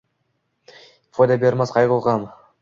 Foyda bermas qayg‘u-g‘am.